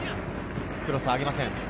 クロスをあげません。